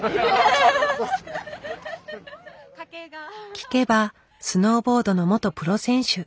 聞けばスノーボードの元プロ選手。